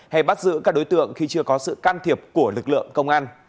hay bắt giữ các đối tượng khi chưa có sự can thiệp của lực lượng công an